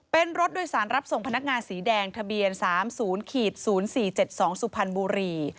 เป็นรถโดยสารรับส่งพนักงานสีแดงทะเบียน๓๐๐๔๗๒สุพรรณบุรี